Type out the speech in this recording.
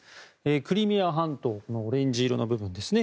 クリミア半島このオレンジ色の部分ですね。